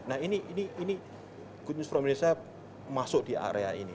nah ini good news from indonesia masuk di area ini